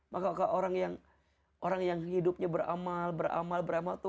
maka orang yang hidupnya beramal beramal beramal itu